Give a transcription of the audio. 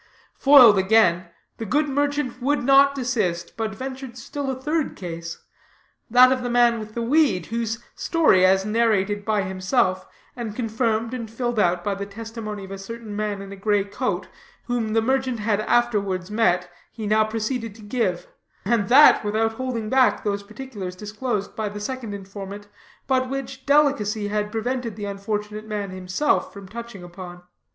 Foiled again, the good merchant would not desist, but ventured still a third case, that of the man with the weed, whose story, as narrated by himself, and confirmed and filled out by the testimony of a certain man in a gray coat, whom the merchant had afterwards met, he now proceeded to give; and that, without holding back those particulars disclosed by the second informant, but which delicacy had prevented the unfortunate man himself from touching upon.